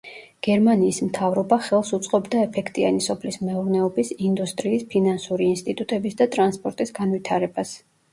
გერმანიის მთავრობა ხელს უწყობდა ეფექტიანი სოფლის მეურნეობის, ინდუსტრიის, ფინანსური ინსტიტუტების და ტრანსპორტის განვითარებას.